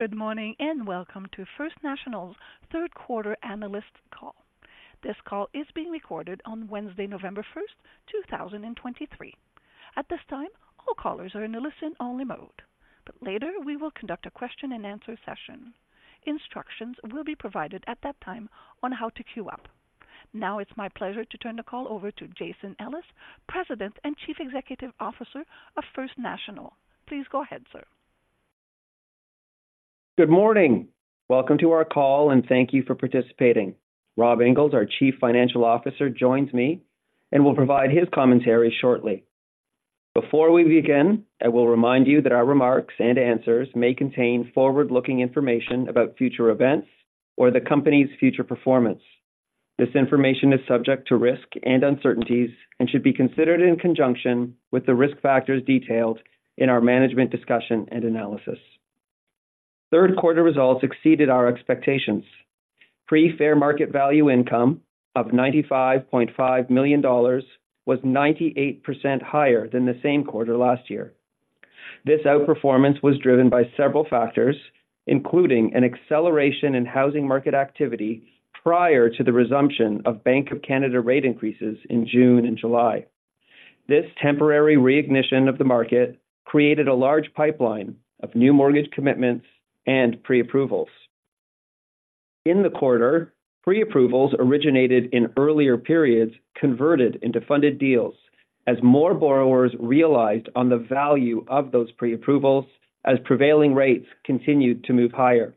Good morning, and welcome to First National's third quarter analyst call. This call is being recorded on Wednesday, November 1, 2023. At this time, all callers are in a listen-only mode, but later we will conduct a question-and-answer session. Instructions will be provided at that time on how to queue up. Now it's my pleasure to turn the call over to Jason Ellis, President and Chief Executive Officer of First National. Please go ahead, sir. Good morning. Welcome to our call, and thank you for participating. Rob Inglis, our Chief Financial Officer, joins me and will provide his commentary shortly. Before we begin, I will remind you that our remarks and answers may contain forward-looking information about future events or the Company's future performance. This information is subject to risk and uncertainties and should be considered in conjunction with the risk factors detailed in our management discussion and analysis. Third quarter results exceeded our expectations. Pre-fair market value income of 95.5 million dollars was 98% higher than the same quarter last year. This outperformance was driven by several factors, including an acceleration in housing market activity prior to the resumption of Bank of Canada rate increases in June and July. This temporary reignition of the market created a large pipeline of new mortgage commitments and pre-approvals. In the quarter, pre-approvals originated in earlier periods converted into funded deals as more borrowers realized on the value of those pre-approvals as prevailing rates continued to move higher.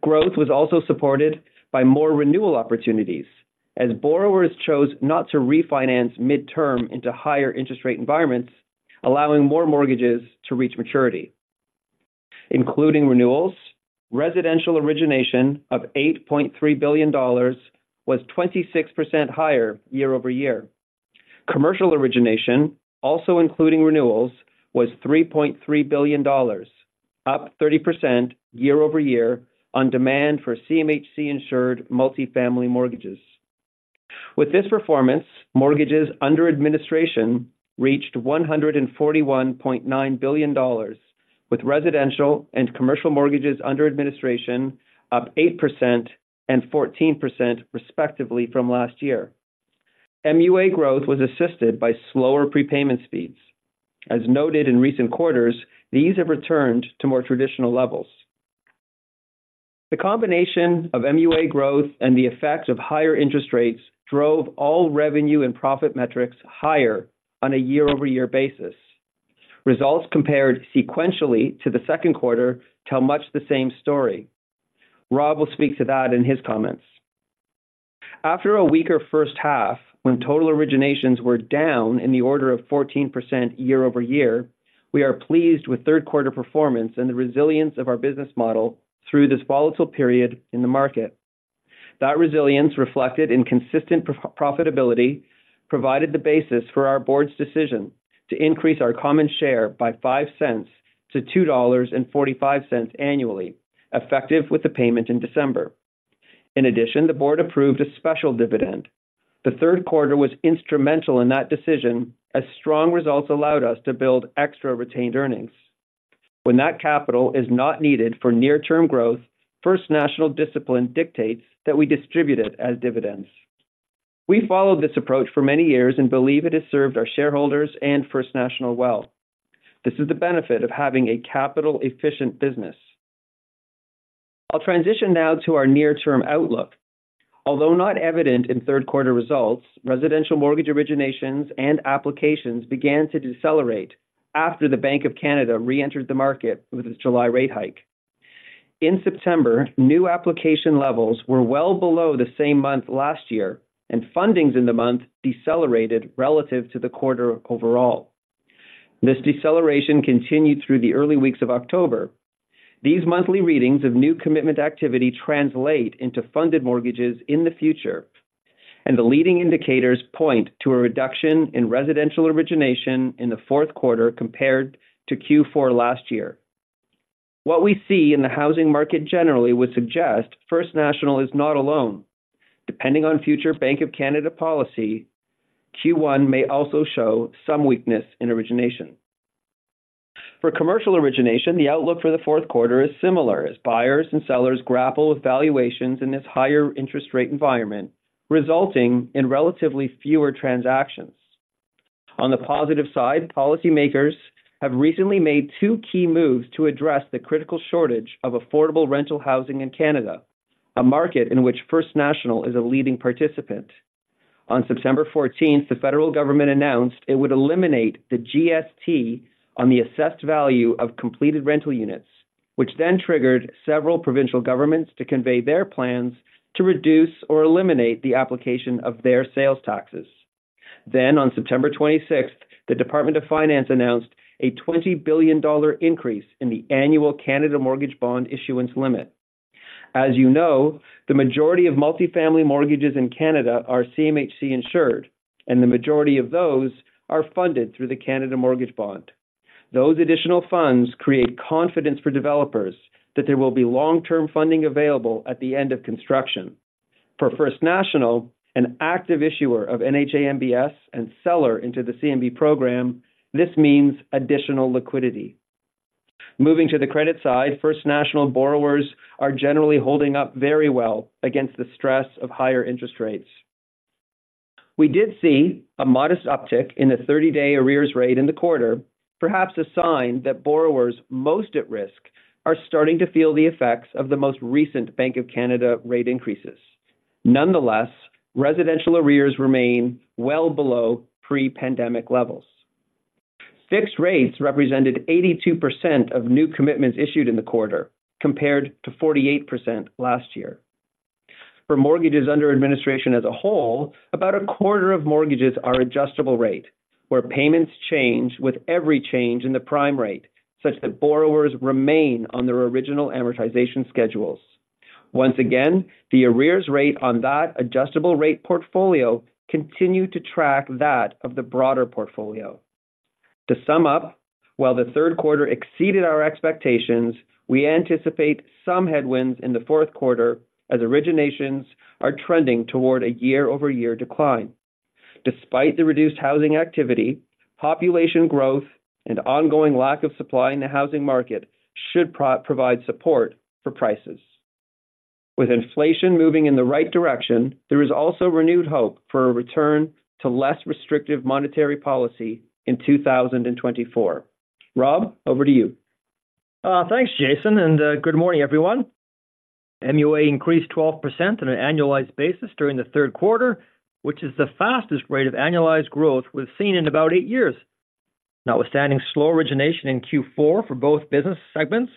Growth was also supported by more renewal opportunities as borrowers chose not to refinance midterm into higher interest rate environments, allowing more mortgages to reach maturity. Including renewals, residential origination of 8.3 billion dollars was 26% higher year-over-year. Commercial origination, also including renewals, was 3.3 billion dollars, up 30% year-over-year on demand for CMHC-insured multifamily mortgages. With this performance, mortgages under administration reached 141.9 billion dollars, with residential and commercial mortgages under administration up 8% and 14% respectively from last year. MUA growth was assisted by slower prepayment speeds. As noted in recent quarters, these have returned to more traditional levels. The combination of MUA growth and the effect of higher interest rates drove all revenue and profit metrics higher on a year-over-year basis. Results compared sequentially to the second quarter tell much the same story. Rob will speak to that in his comments. After a weaker first half, when total originations were down in the order of 14% year-over-year, we are pleased with third quarter performance and the resilience of our business model through this volatile period in the market. That resilience, reflected in consistent profitability, provided the basis for our Board's decision to increase our common share by 0.05 to 2.45 dollars annually, effective with the payment in December. In addition, the Board approved a special dividend. The third quarter was instrumental in that decision, as strong results allowed us to build extra retained earnings. When that capital is not needed for near-term growth, First National discipline dictates that we distribute it as dividends. We followed this approach for many years and believe it has served our shareholders and First National well. This is the benefit of having a capital-efficient business. I'll transition now to our near-term outlook. Although not evident in third quarter results, residential mortgage originations and applications began to decelerate after the Bank of Canada reentered the market with its July rate hike. In September, new application levels were well below the same month last year, and fundings in the month decelerated relative to the quarter overall. This deceleration continued through the early weeks of October. These monthly readings of new commitment activity translate into funded mortgages in the future, and the leading indicators point to a reduction in residential origination in the fourth quarter compared to Q4 last year. What we see in the housing market generally would suggest First National is not alone. Depending on future Bank of Canada policy, Q1 may also show some weakness in origination. For commercial origination, the outlook for the fourth quarter is similar, as buyers and sellers grapple with valuations in this higher interest rate environment, resulting in relatively fewer transactions. On the positive side, policymakers have recently made two key moves to address the critical shortage of affordable rental housing in Canada, a market in which First National is a leading participant. On September fourteenth, the federal government announced it would eliminate the GST on the assessed value of completed rental units, which then triggered several provincial governments to convey their plans to reduce or eliminate the application of their sales taxes. Then, on September 26th, the Department of Finance announced a 20 billion dollar increase in the annual Canada Mortgage Bond issuance limit. As you know, the majority of multifamily mortgages in Canada are CMHC insured, and the majority of those are funded through the Canada Mortgage Bond. Those additional funds create confidence for developers that there will be long-term funding available at the end of construction. For First National, an active issuer of NHA MBS and seller into the CMB program, this means additional liquidity. Moving to the credit side, First National borrowers are generally holding up very well against the stress of higher interest rates. We did see a modest uptick in the 30-day arrears rate in the quarter, perhaps a sign that borrowers most at risk are starting to feel the effects of the most recent Bank of Canada rate increases. Nonetheless, residential arrears remain well below pre-pandemic levels. Fixed rates represented 82% of new commitments issued in the quarter, compared to 48% last year. For mortgages under administration as a whole, about a quarter of mortgages are adjustable rate, where payments change with every change in the prime rate, such that borrowers remain on their original amortization schedules. Once again, the arrears rate on that adjustable rate portfolio continued to track that of the broader portfolio. To sum up, while the third quarter exceeded our expectations, we anticipate some headwinds in the fourth quarter as originations are trending toward a year-over-year decline. Despite the reduced housing activity, population growth and ongoing lack of supply in the housing market should provide support for prices. With inflation moving in the right direction, there is also renewed hope for a return to less restrictive monetary policy in 2024. Rob, over to you. Thanks, Jason, and good morning, everyone. MUA increased 12% on an annualized basis during the third quarter, which is the fastest rate of annualized growth we've seen in about eight years. Notwithstanding slow origination in Q4 for both business segments,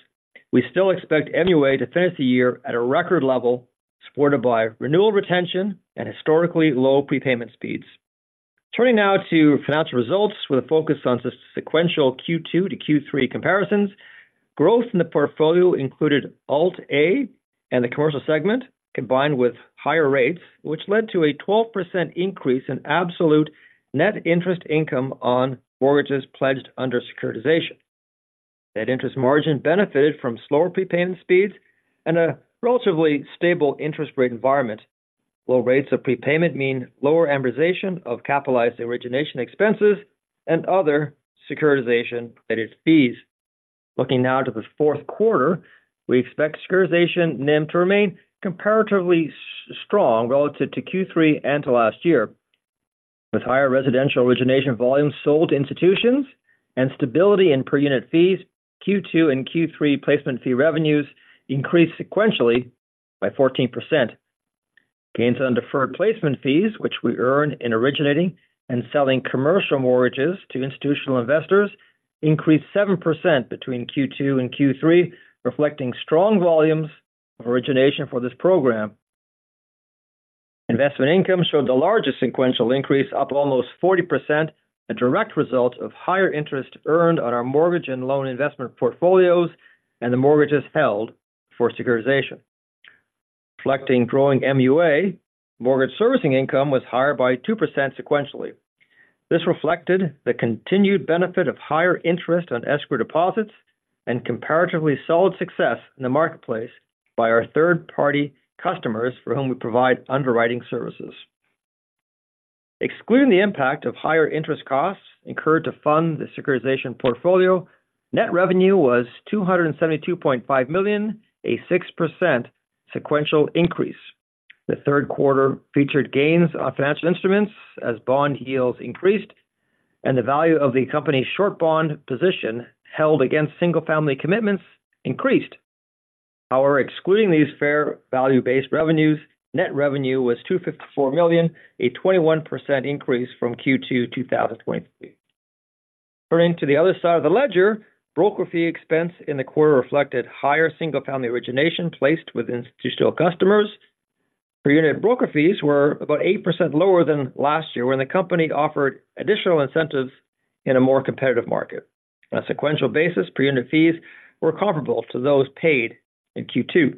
we still expect MUA to finish the year at a record level, supported by renewal retention and historically low prepayment speeds. Turning now to financial results with a focus on sequential Q2 to Q3 comparisons, growth in the portfolio included Alt-A and the commercial segment, combined with higher rates, which led to a 12% increase in absolute net interest income on mortgages pledged under securitization. Net interest margin benefited from slower prepayment speeds and a relatively stable interest rate environment. Low rates of prepayment mean lower amortization of capitalized origination expenses and other securitization-related fees. Looking now to the fourth quarter, we expect securitization NIM to remain comparatively strong relative to Q3 and to last year. With higher residential origination volumes sold to institutions and stability in per-unit fees, Q2 and Q3 placement fee revenues increased sequentially by 14%. Gains on deferred placement fees, which we earn in originating and selling commercial mortgages to institutional investors, increased 7% between Q2 and Q3, reflecting strong volumes of origination for this program. Investment income showed the largest sequential increase, up almost 40%, a direct result of higher interest earned on our mortgage and loan investment portfolios and the mortgages held for securitization. Reflecting growing MUA, mortgage servicing income was higher by 2% sequentially. This reflected the continued benefit of higher interest on escrow deposits and comparatively solid success in the marketplace by our third-party customers for whom we provide underwriting services. Excluding the impact of higher interest costs incurred to fund the securitization portfolio, net revenue was 272.5 million, a 6% sequential increase. The third quarter featured gains on financial instruments as bond yields increased, and the value of the company's short bond position held against single-family commitments increased. However, excluding these fair value-based revenues, net revenue was 254 million, a 21% increase from Q2 2023. Turning to the other side of the ledger, broker fee expense in the quarter reflected higher single-family origination placed with institutional customers. Per unit broker fees were about 8% lower than last year, when the company offered additional incentives in a more competitive market. On a sequential basis, per unit fees were comparable to those paid in Q2.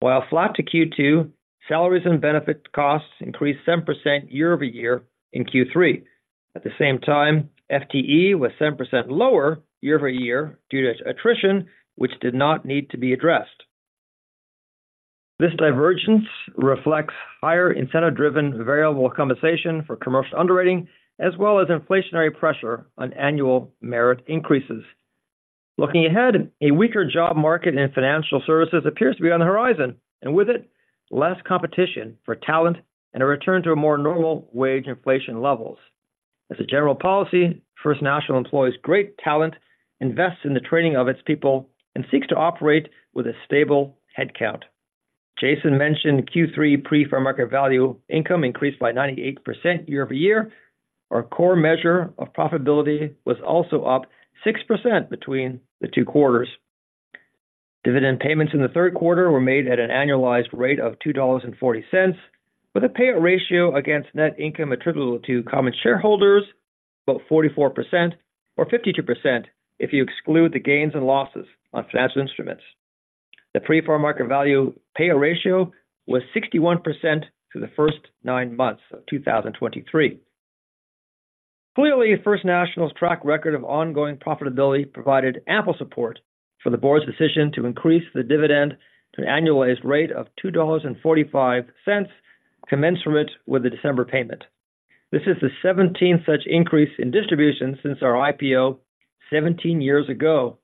While flat to Q2, salaries and benefit costs increased 7% year-over-year in Q3. At the same time, FTE was 7% lower year-over-year due to attrition, which did not need to be addressed. This divergence reflects higher incentive-driven variable compensation for commercial underwriting, as well as inflationary pressure on annual merit increases. Looking ahead, a weaker job market in financial services appears to be on the horizon, and with it, less competition for talent and a return to a more normal wage inflation levels. As a general policy, First National employs great talent, invests in the training of its people, and seeks to operate with a stable headcount. Jason mentioned Q3 pre-fair market value income increased by 98% year-over-year. Our core measure of profitability was also up 6% between the two quarters. Dividend payments in the third quarter were made at an annualized rate of 2.40 dollars, with a payout ratio against net income attributable to common shareholders, about 44% or 52% if you exclude the gains and losses on financial instruments. The pre-fair market value payout ratio was 61% for the first 9 months of 2023. Clearly, First National's track record of ongoing profitability provided ample support for the board's decision to increase the dividend to an annualized rate of 2.45 dollars, commenced from it with the December payment. This is the seventeenth such increase in distribution since our IPO 17 years ago.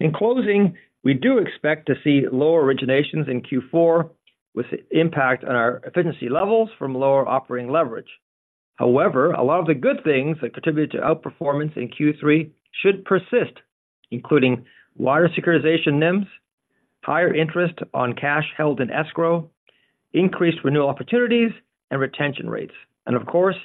In closing, we do expect to see lower originations in Q4, with impact on our efficiency levels from lower operating leverage. However, a lot of the good things that contributed to outperformance in Q3 should persist, including wider securitization NIMs, higher interest on cash held in escrow, increased renewal opportunities and retention rates. And of course,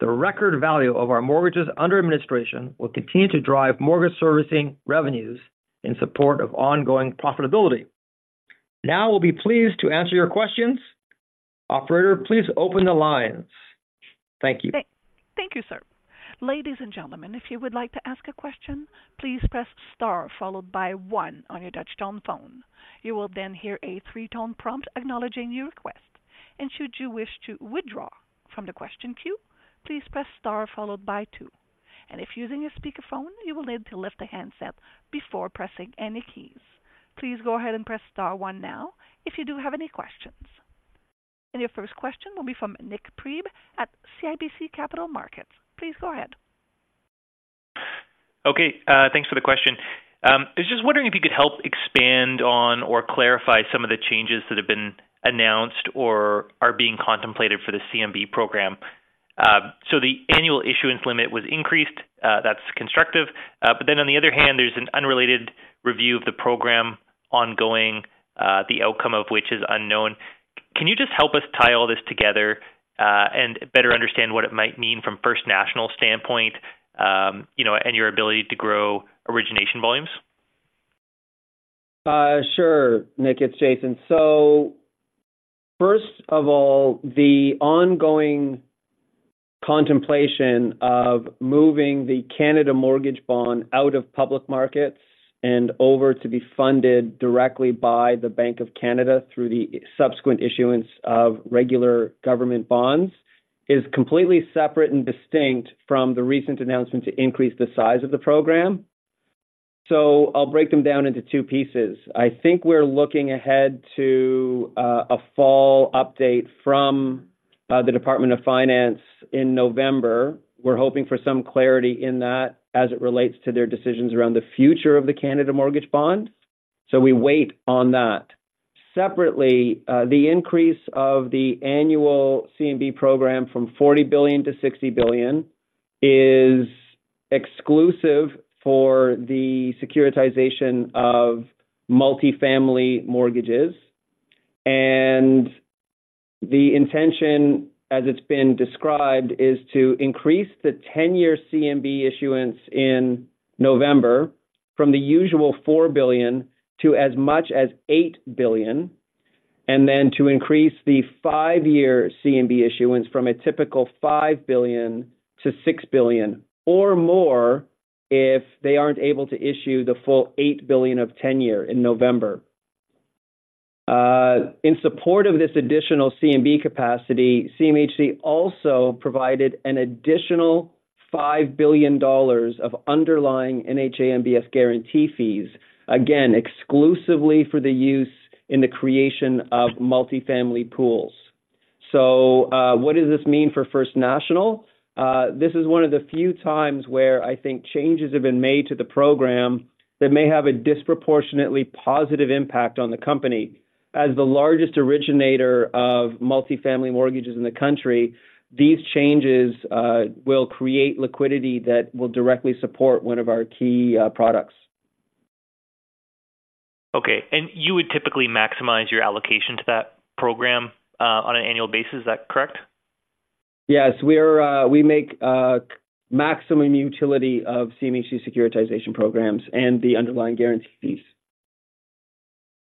the record value of our mortgages under administration will continue to drive mortgage servicing revenues in support of ongoing profitability. Now, we'll be pleased to answer your questions. Operator, please open the lines. Thank you. Thank you, sir. Ladies and gentlemen, if you would like to ask a question, please press star followed by one on your touchtone phone. You will then hear a three-tone prompt acknowledging your request, and should you wish to withdraw from the question queue, please press star followed by two. If using a speakerphone, you will need to lift the handset before pressing any keys. Please go ahead and press star one now if you do have any questions. Your first question will be from Nik Priebe at CIBC Capital Markets. Please go ahead. Okay, thanks for the question. I was just wondering if you could help expand on or clarify some of the changes that have been announced or are being contemplated for the CMB program. So the annual issuance limit was increased, that's constructive. But then on the other hand, there's an unrelated review of the program ongoing, the outcome of which is unknown. Can you just help us tie all this together, and better understand what it might mean from First National standpoint, you know, and your ability to grow origination volumes? Sure, Nick, it's Jason. So first of all, the ongoing contemplation of moving the Canada Mortgage Bond out of public markets and over to be funded directly by the Bank of Canada through the subsequent issuance of regular government bonds is completely separate and distinct from the recent announcement to increase the size of the program. So I'll break them down into two pieces. I think we're looking ahead to a fall update from the Department of Finance in November. We're hoping for some clarity in that as it relates to their decisions around the future of the Canada Mortgage Bond. So we wait on that. Separately, the increase of the annual CMB program from 40 billion to 60 billion is exclusive for the securitization of multifamily mortgages. And the intention, as it's been described, is to increase the ten-year CMB issuance in November from the usual 4 billion to as much as 8 billion, and then to increase the five-year CMB issuance from a typical 5 billion to 6 billion or more if they aren't able to issue the full 8 billion of ten-year in November. In support of this additional CMB capacity, CMHC also provided an additional 5 billion dollars of underlying NHA MBS guarantee fees, again, exclusively for the use in the creation of multifamily pools. So, what does this mean for First National? This is one of the few times where I think changes have been made to the program that may have a disproportionately positive impact on the company. As the largest originator of multifamily mortgages in the country, these changes will create liquidity that will directly support one of our key products. Okay. You would typically maximize your allocation to that program, on an annual basis. Is that correct? Yes, we are, we make maximum utility of CMHC securitization programs and the underlying guarantee fees.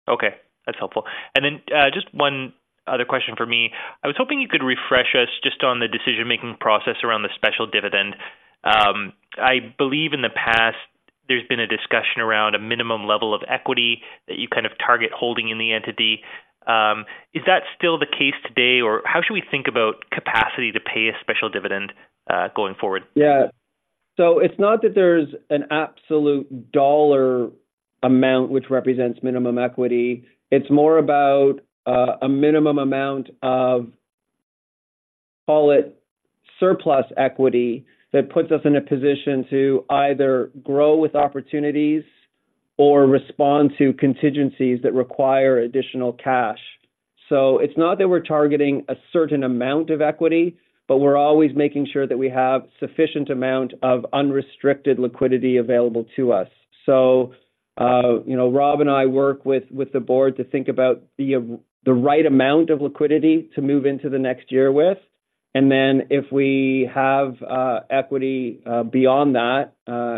Okay. That's helpful. And then, just one other question for me. I was hoping you could refresh us just on the decision-making process around the special dividend. I believe in the past, there's been a discussion around a minimum level of equity that you kind of target holding in the entity. Is that still the case today, or how should we think about capacity to pay a special dividend, going forward? Yeah. So it's not that there's an absolute dollar amount which represents minimum equity. It's more about, a minimum amount of, call it surplus equity, that puts us in a position to either grow with opportunities or respond to contingencies that require additional cash. So it's not that we're targeting a certain amount of equity, but we're always making sure that we have sufficient amount of unrestricted liquidity available to us. So, you know, Rob and I work with the board to think about the right amount of liquidity to move into the next year with. And then if we have, equity, beyond that,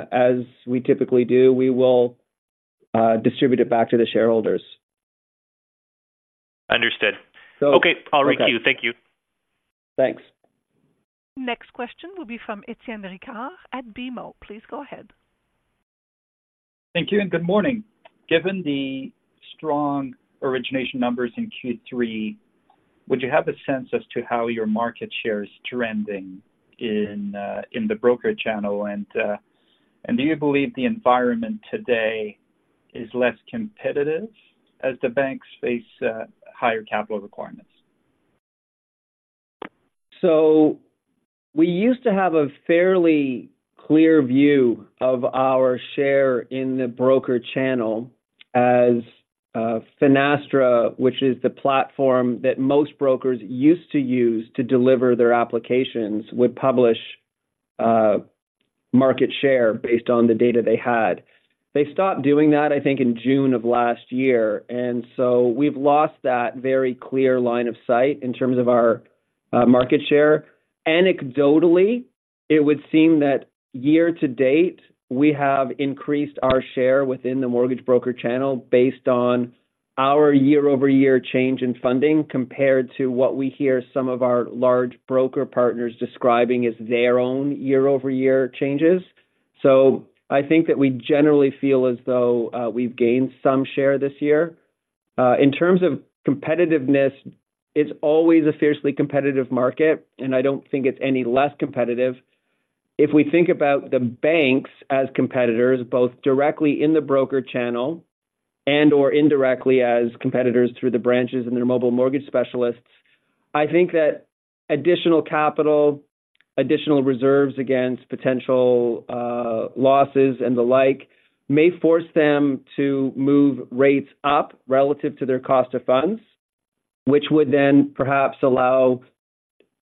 as we typically do, we will, distribute it back to the shareholders. Understood. So- Okay, I'll requeue. Thank you. Thanks. Next question will be from Étienne Ricard at BMO. Please go ahead. Thank you and good morning. Given the strong origination numbers in Q3, would you have a sense as to how your market share is trending in the broker channel? And do you believe the environment today is less competitive as the banks face higher capital requirements? So we used to have a fairly clear view of our share in the broker channel as Finastra, which is the platform that most brokers used to use to deliver their applications, would publish market share based on the data they had. They stopped doing that, I think, in June of last year, and so we've lost that very clear line of sight in terms of our market share. Anecdotally, it would seem that year to date, we have increased our share within the mortgage broker channel based on our year-over-year change in funding, compared to what we hear some of our large broker partners describing as their own year-over-year changes. So I think that we generally feel as though we've gained some share this year. In terms of competitiveness, it's always a fiercely competitive market, and I don't think it's any less competitive. If we think about the banks as competitors, both directly in the broker channel and or indirectly as competitors through the branches and their mobile mortgage specialists, I think that additional capital, additional reserves against potential, losses and the like, may force them to move rates up relative to their cost of funds. Which would then perhaps allow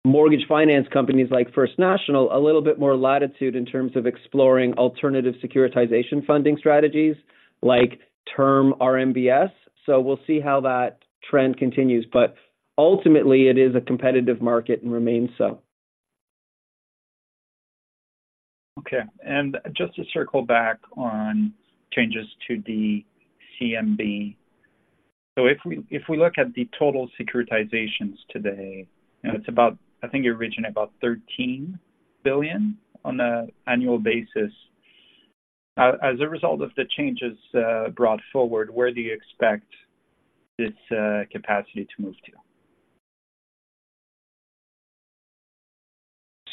mortgage finance companies like First National, a little bit more latitude in terms of exploring alternative securitization funding strategies like term RMBS. So we'll see how that trend continues, but ultimately it is a competitive market and remains so. Okay, and just to circle back on changes to the CMB. So if we look at the total securitizations today, you know, it's about, I think, you're originating about 13 billion on an annual basis. As a result of the changes brought forward, where do you expect this capacity to move to?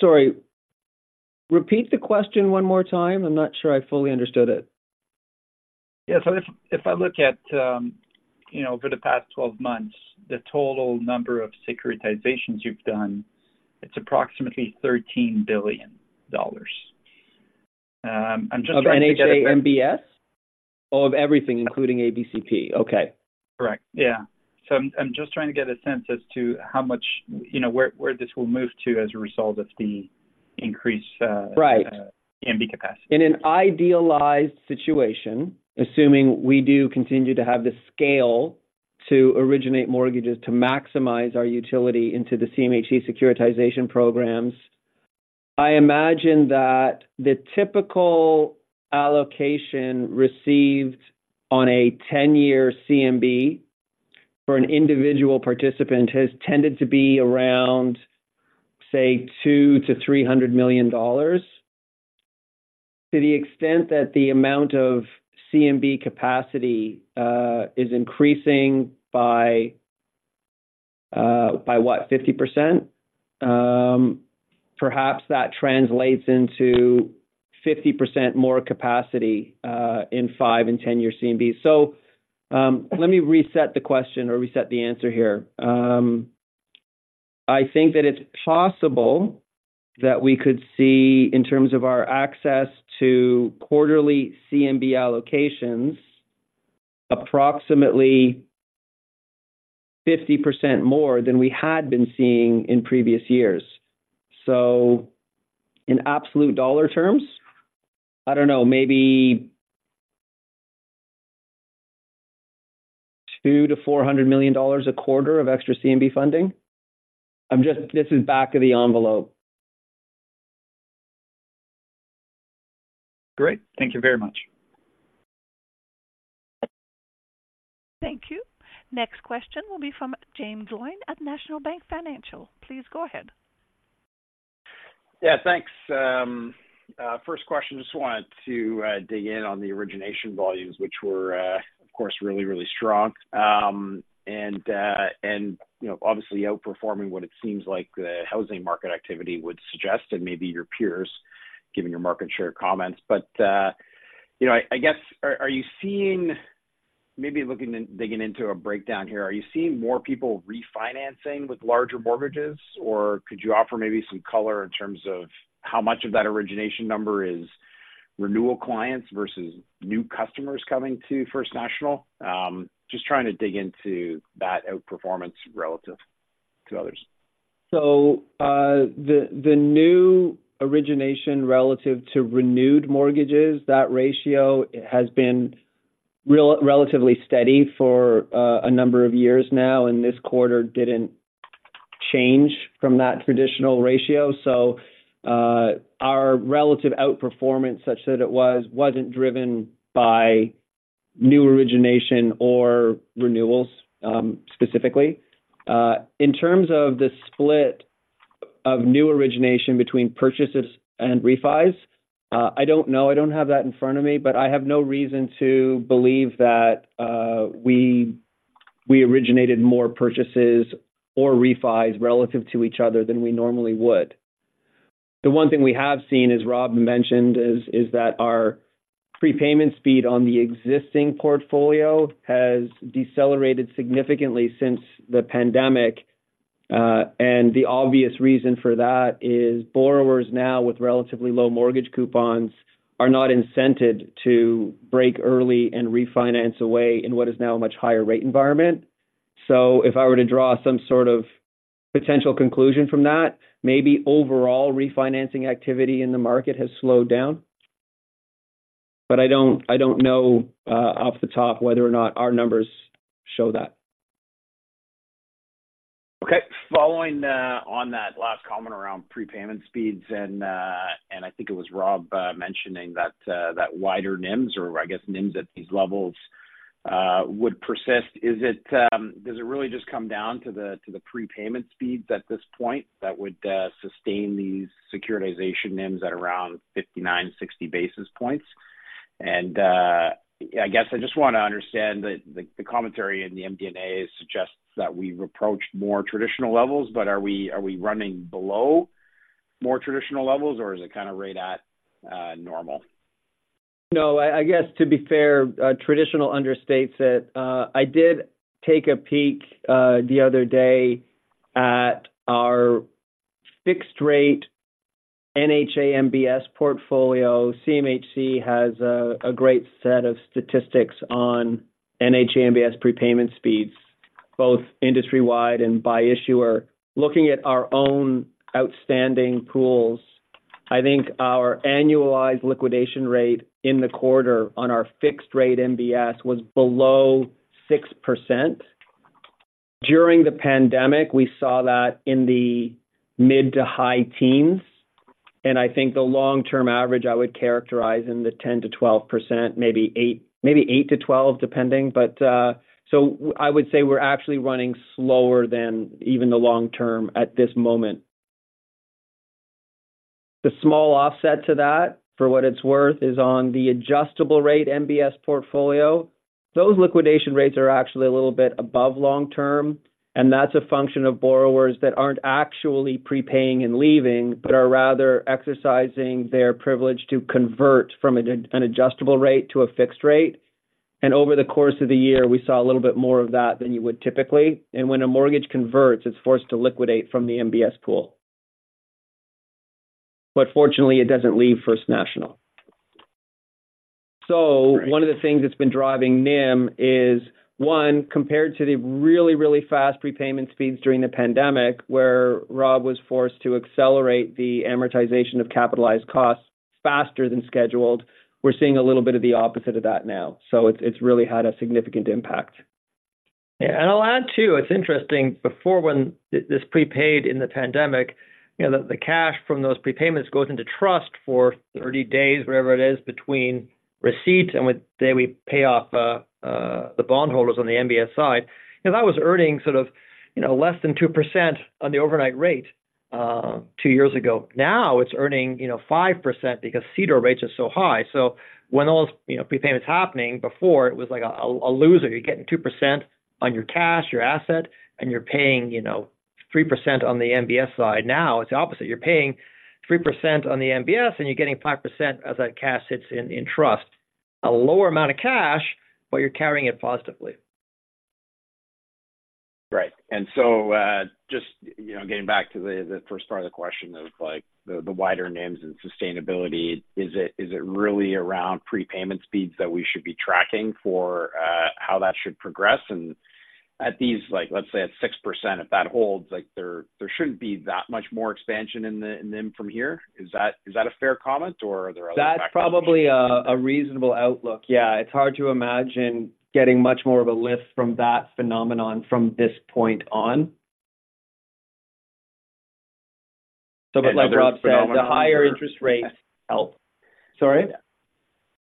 Sorry, repeat the question one more time. I'm not sure I fully understood it. Yeah. So if I look at, you know, over the past 12 months, the total number of securitizations you've done, it's approximately 13 billion dollars. I'm just- Of NHA MBS? Or of everything, including ABCP. Okay. Correct. Yeah. So I'm just trying to get a sense as to how much—you know, where this will move to as a result of the increased, Right -MB capacity. In an idealized situation, assuming we do continue to have the scale to originate mortgages to maximize our utility into the CMHC securitization programs, I imagine that the typical allocation received on a 10-year CMB for an individual participant has tended to be around, say, 200 million-300 million dollars. To the extent that the amount of CMB capacity is increasing by what? 50%. Perhaps that translates into 50% more capacity in 5- and 10-year CMB. So, let me reset the question or reset the answer here. I think that it's possible that we could see, in terms of our access to quarterly CMB allocations, approximately 50% more than we had been seeing in previous years. So in absolute dollar terms, I don't know, maybe 200 million-400 million dollars a quarter of extra CMB funding. I'm just... This is back of the envelope. Great. Thank you very much. Thank you. Next question will be from Jaeme Gloyn at National Bank Financial. Please go ahead. Yeah, thanks. First question, just wanted to dig in on the origination volumes, which were, of course, really, really strong. And, you know, obviously outperforming what it seems like the housing market activity would suggest, and maybe your peers, given your market share comments. But, you know, I guess, are you seeing maybe looking and digging into a breakdown here, are you seeing more people refinancing with larger mortgages? Or could you offer maybe some color in terms of how much of that origination number is renewal clients versus new customers coming to First National? Just trying to dig into that outperformance relative to others. So, the new origination relative to renewed mortgages, that ratio has been relatively steady for a number of years now, and this quarter didn't change from that traditional ratio. So, our relative outperformance, such that it was, wasn't driven by new origination or renewals, specifically. In terms of the split of new origination between purchases and refis? I don't know. I don't have that in front of me, but I have no reason to believe that we originated more purchases or refis relative to each other than we normally would. The one thing we have seen, as Rob mentioned, is that our prepayment speed on the existing portfolio has decelerated significantly since the pandemic. And the obvious reason for that is borrowers now with relatively low mortgage coupons, are not incented to break early and refinance away in what is now a much higher rate environment. So if I were to draw some sort of potential conclusion from that, maybe overall refinancing activity in the market has slowed down. But I don't know, off the top whether or not our numbers show that. Okay. Following on that last comment around prepayment speeds, and I think it was Rob mentioning that wider NIMs or I guess NIMs at these levels would persist. Is it, does it really just come down to the prepayment speeds at this point, that would sustain these securitization NIMs at around 59, 60 basis points? And I guess I just want to understand the commentary in the MD&A suggests that we've approached more traditional levels, but are we running below more traditional levels, or is it kind of right at normal? No, I, I guess to be fair, traditional understates it. I did take a peek, the other day at our fixed-rate NHA MBS portfolio. CMHC has a, a great set of statistics on NHA MBS prepayment speeds, both industry-wide and by issuer. Looking at our own outstanding pools, I think our annualized liquidation rate in the quarter on our fixed-rate MBS was below 6%. During the pandemic, we saw that in the mid- to high teens, and I think the long-term average, I would characterize in the 10%-12%, maybe eight- maybe 8-12, depending. But, so I would say we're actually running slower than even the long term at this moment. The small offset to that, for what it's worth, is on the adjustable-rate MBS portfolio. Those liquidation rates are actually a little bit above long-term, and that's a function of borrowers that aren't actually prepaying and leaving, but are rather exercising their privilege to convert from an adjustable rate to a fixed rate. Over the course of the year, we saw a little bit more of that than you would typically. When a mortgage converts, it's forced to liquidate from the MBS pool. Fortunately, it doesn't leave First National. Right. So one of the things that's been driving NIM is, one, compared to the really, really fast prepayment speeds during the pandemic, where Rob was forced to accelerate the amortization of capitalized costs faster than scheduled, we're seeing a little bit of the opposite of that now. So it's, it's really had a significant impact. Yeah, and I'll add, too, it's interesting, before, when this prepayment in the pandemic, you know, the cash from those prepayments goes into trust for 30 days, wherever it is, between receipt and the day we pay off the bondholders on the MBS side. And that was earning sort of, you know, less than 2% on the overnight rate 2 years ago. Now, it's earning, you know, 5% because CDOR rates are so high. So when those, you know, prepayments happening before, it was like a loser. You're getting 2% on your cash, your asset, and you're paying, you know, 3% on the MBS side. Now, it's the opposite. You're paying 3% on the MBS, and you're getting 5% as that cash sits in trust. A lower amount of cash, but you're carrying it positively. Right. And so, just, you know, getting back to the, the first part of the question of like, the, the wider names and sustainability, is it, is it really around prepayment speeds that we should be tracking for, how that should progress? And at these like, let's say at 6%, if that holds, like there, there shouldn't be that much more expansion in the-- in NIM from here. Is that, is that a fair comment, or are there other factors? That's probably a reasonable outlook. Yeah, it's hard to imagine getting much more of a lift from that phenomenon from this point on. So but like Rob said, the higher interest rates help. Sorry?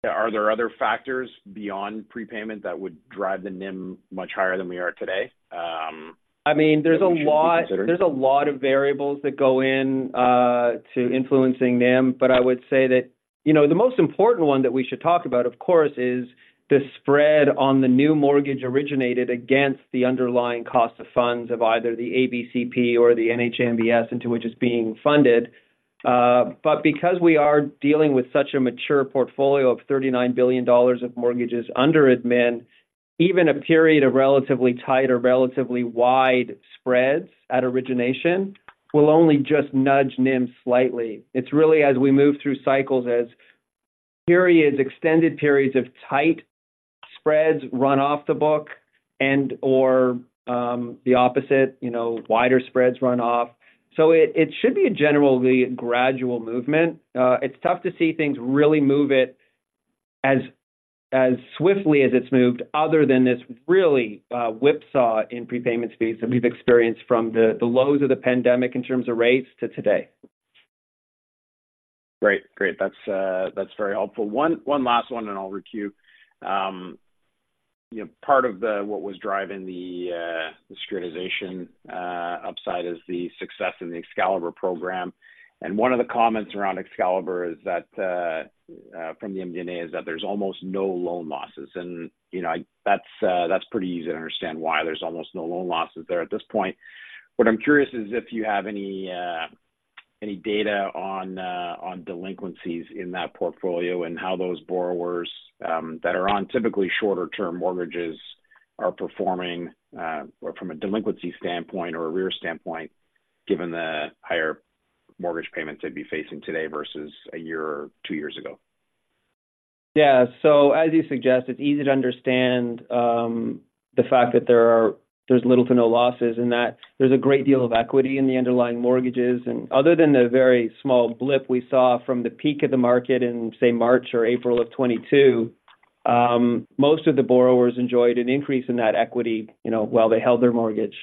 Are there other factors beyond prepayment that would drive the NIM much higher than we are today? I mean, there's a lot- that we should be considering? There's a lot of variables that go in to influencing NIM. But I would say that, you know, the most important one that we should talk about, of course, is the spread on the new mortgage originated against the underlying cost of funds of either the ABCP or the NHA MBS into which is being funded. But because we are dealing with such a mature portfolio of 39 billion dollars of mortgages under admin, even a period of relatively tight or relatively wide spreads at origination, will only just nudge NIM slightly. It's really as we move through cycles, as periods, extended periods of tight spreads run off the book and or, the opposite, you know, wider spreads run off. So it, it should be a generally gradual movement. It's tough to see things really move it as swiftly as it's moved other than this really whipsaw in prepayment speeds that we've experienced from the lows of the pandemic in terms of rates to today. Great, great. That's, that's very helpful. One last one, and I'll queue. You know, part of the-- what was driving the securitization upside is the success in the Excalibur program. And one of the comments around Excalibur is that from the MD&A is that there's almost no loan losses. And, you know, that's pretty easy to understand why there's almost no loan losses there at this point. What I'm curious is if you have any data on delinquencies in that portfolio and how those borrowers that are on typically shorter-term mortgages are performing or from a delinquency standpoint or an arrears standpoint, given the higher mortgage payments they'd be facing today versus a year or two years ago. Yeah. So as you suggest, it's easy to understand the fact that there are—there's little to no losses, and that there's a great deal of equity in the underlying mortgages. And other than the very small blip we saw from the peak of the market in, say, March or April of 2022, most of the borrowers enjoyed an increase in that equity, you know, while they held their mortgage.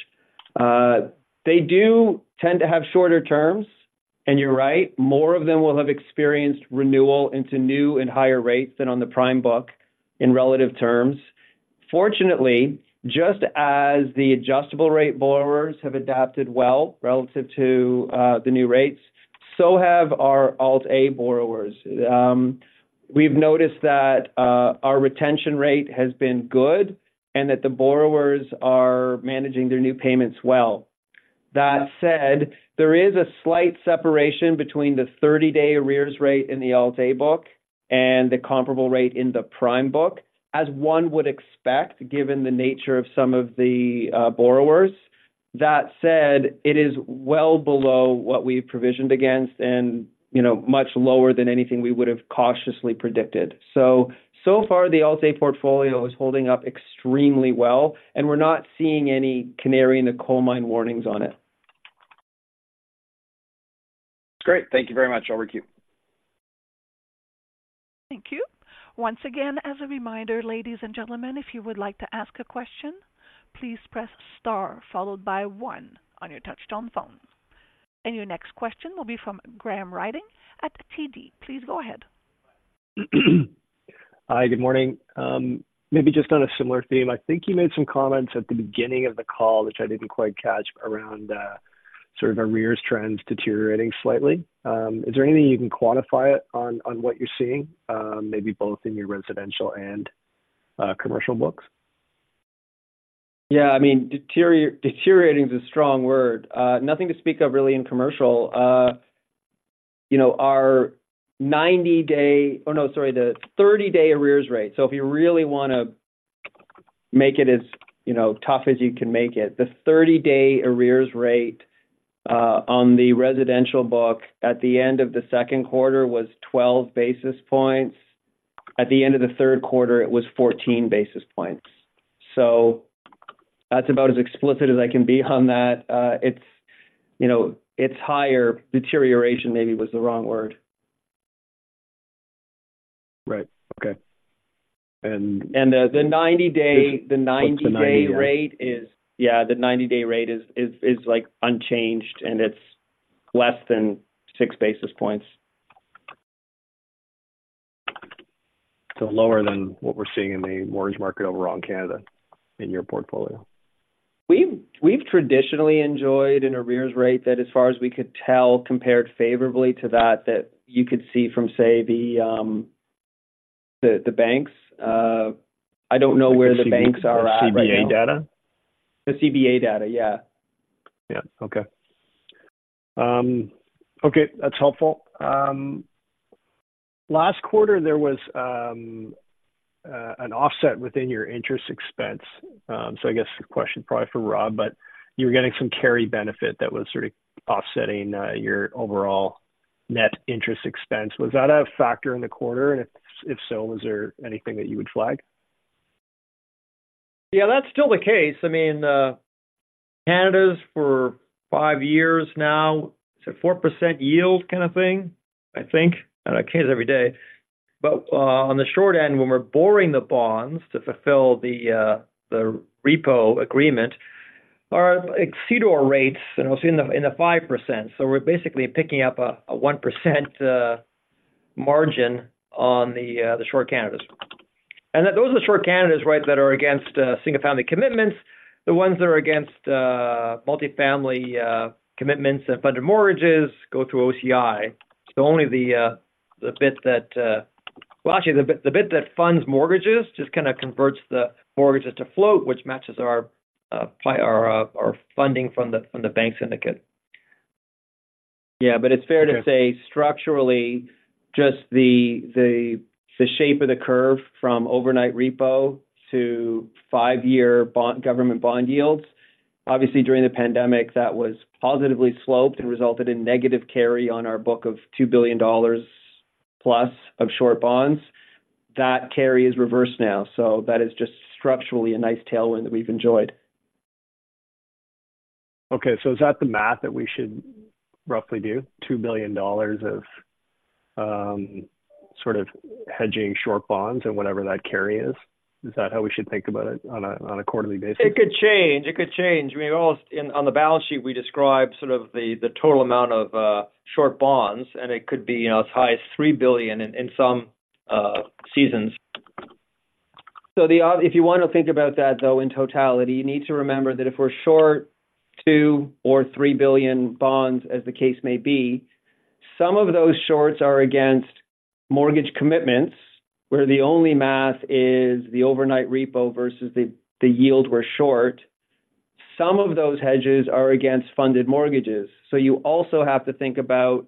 They do tend to have shorter terms, and you're right, more of them will have experienced renewal into new and higher rates than on the prime book in relative terms. Fortunately, just as the adjustable rate borrowers have adapted well relative to the new rates, so have our Alt-A borrowers. We've noticed that our retention rate has been good and that the borrowers are managing their new payments well. That said, there is a slight separation between the 30-day arrears rate in the Alt-A book and the comparable rate in the prime book, as one would expect, given the nature of some of the borrowers. That said, it is well below what we've provisioned against and, you know, much lower than anything we would have cautiously predicted. So, so far, the Alt-A portfolio is holding up extremely well, and we're not seeing any canary in the coal mine warnings on it. Great. Thank you very much. I'll queue. Thank you. Once again, as a reminder, ladies and gentlemen, if you would like to ask a question, please press star followed by one on your touchtone phone. Your next question will be from Graham Ryding at TD. Please go ahead. Hi, good morning. Maybe just on a similar theme, I think you made some comments at the beginning of the call, which I didn't quite catch, around sort of arrears trends deteriorating slightly. Is there anything you can quantify it on, on what you're seeing, maybe both in your residential and commercial books? Yeah, I mean, deteriorating is a strong word. Nothing to speak of really in commercial. You know, the thirty-day arrears rate. So if you really wanna make it as, you know, tough as you can make it, the thirty-day arrears rate on the residential book at the end of the second quarter was 12 basis points. At the end of the third quarter, it was 14 basis points. So that's about as explicit as I can be on that. It's, you know, it's higher. Deterioration maybe was the wrong word. Right. Okay. And- The 90-day rate is- What's the 90- Yeah, the 90-day rate is, like, unchanged, and it's less than six basis points. Lower than what we're seeing in the mortgage market overall in Canada, in your portfolio? We've traditionally enjoyed an arrears rate that, as far as we could tell, compared favorably to that you could see from, say, the banks. I don't know where the banks are at right now. The CBA data? The CBA data, yeah. Yeah. Okay. Okay, that's helpful. Last quarter, there was an offset within your interest expense. So I guess the question probably for Rob, but you were getting some carry benefit that was sort of offsetting your overall net interest expense. Was that a factor in the quarter? And if so, was there anything that you would flag? Yeah, that's still the case. I mean, Canadas for five years now, it's a 4% yield kind of thing, I think. I don't check every day, but on the short end, when we're borrowing the bonds to fulfill the repo agreement, that exceed our rates and it was in the 5%. So we're basically picking up a 1% margin on the short Canada. And those are the short Canada, right, that are against single family commitments, the ones that are against multifamily commitments and funded mortgages go through OCI. So only the bit that... Well, actually, the bit that funds mortgages just kind of converts the mortgages to float, which matches our funding from the bank syndicate. Yeah, but it's fair to say structurally, just the shape of the curve from overnight repo to five-year bond, government bond yields. Obviously, during the pandemic, that was positively sloped and resulted in negative carry on our book of 2 billion dollars+ of short bonds. That carry is reversed now, so that is just structurally a nice tailwind that we've enjoyed. Okay. So is that the math that we should roughly do? 2 billion dollars of sort of hedging short bonds and whatever that carry is. Is that how we should think about it on a quarterly basis? It could change. It could change. I mean, almost in, on the balance sheet, we describe sort of the total amount of short bonds, and it could be, you know, as high as 3 billion in some seasons. So if you want to think about that, though, in totality, you need to remember that if we're short 2 billion or 3 billion bonds, as the case may be, some of those shorts are against mortgage commitments, where the only math is the overnight repo versus the yield we're short. Some of those hedges are against funded mortgages. So you also have to think about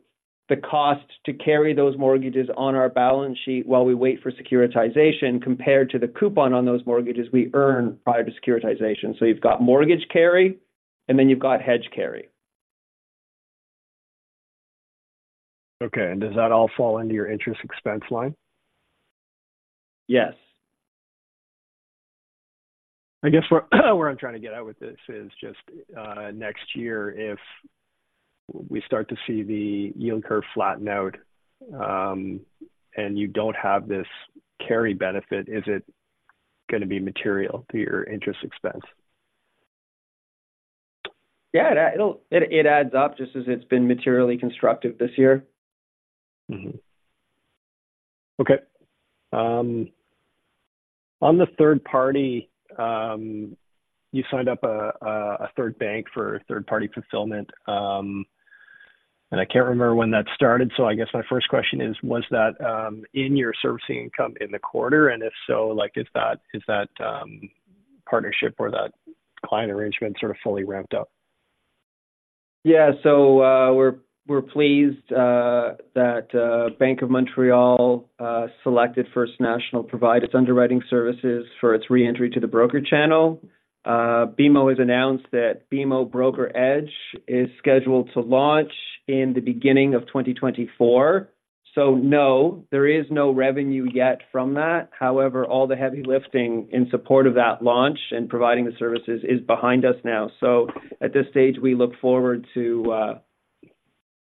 the cost to carry those mortgages on our balance sheet while we wait for securitization, compared to the coupon on those mortgages we earn prior to securitization. So you've got mortgage carry, and then you've got hedge carry. Okay. And does that all fall under your interest expense line? Yes. I guess, where I'm trying to get at with this is just next year, if we start to see the yield curve flatten out, and you don't have this carry benefit, is it going to be material to your interest expense? Yeah, that it'll add up, just as it's been materially constructive this year. Mm-hmm. Okay. On the third party, you signed up a third bank for third-party fulfillment, and I can't remember when that started. So I guess my first question is: Was that in your servicing income in the quarter? And if so, like, is that partnership or that client arrangement sort of fully ramped up? Yeah. So, we're, we're pleased that Bank of Montreal selected First National to provide its underwriting services for its re-entry to the broker channel. BMO has announced that BMO BrokerEdge is scheduled to launch in the beginning of 2024. So no, there is no revenue yet from that. However, all the heavy lifting in support of that launch and providing the services is behind us now. So at this stage, we look forward to,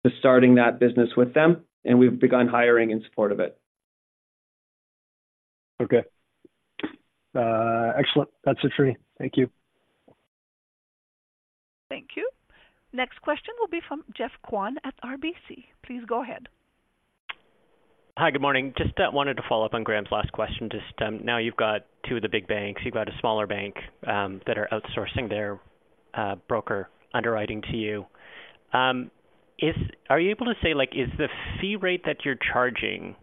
to starting that business with them, and we've begun hiring in support of it. Okay. Excellent. That's it for me. Thank you. Thank you. Next question will be from Geoff Kwan at RBC. Please go ahead. Hi, good morning. Just wanted to follow up on Graham's last question. Just now you've got two of the big banks, you've got a smaller bank that are outsourcing their broker underwriting to you. Is... Are you able to say, like, is the fee rate that you're charging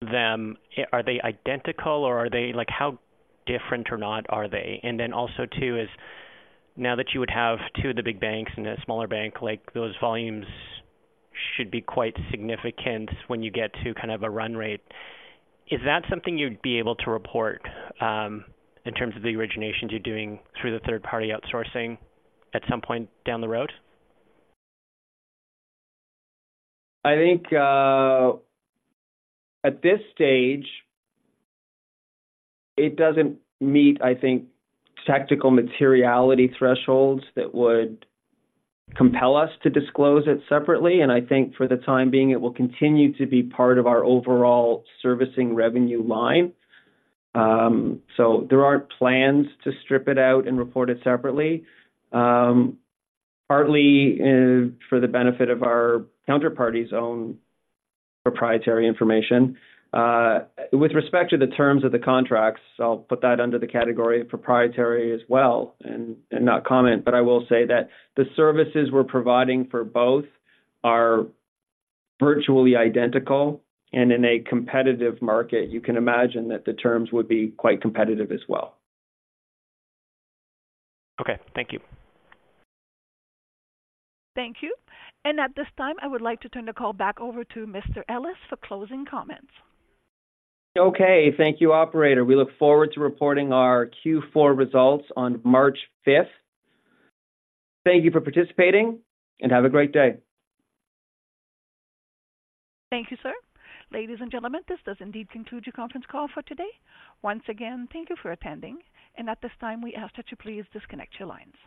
them, are they identical or are they like how different or not are they? And then also, too, is now that you would have two of the big banks and a smaller bank, like, those volumes should be quite significant when you get to kind of a run rate. Is that something you'd be able to report in terms of the originations you're doing through the third-party outsourcing at some point down the road? I think, at this stage, it doesn't meet, I think, tactical materiality thresholds that would compel us to disclose it separately, and I think for the time being, it will continue to be part of our overall servicing revenue line. So there aren't plans to strip it out and report it separately, partly, for the benefit of our counterparty's own proprietary information. With respect to the terms of the contracts, I'll put that under the category of proprietary as well and not comment, but I will say that the services we're providing for both are virtually identical, and in a competitive market, you can imagine that the terms would be quite competitive as well. Okay. Thank you. Thank you. At this time, I would like to turn the call back over to Mr. Ellis for closing comments. Okay. Thank you, operator. We look forward to reporting our Q4 results on March fifth. Thank you for participating, and have a great day. Thank you, sir. Ladies and gentlemen, this does indeed conclude your conference call for today. Once again, thank you for attending, and at this time, we ask that you please disconnect your lines.